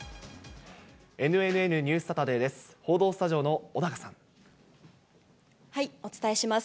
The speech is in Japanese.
ＮＮＮニュースサタデーです。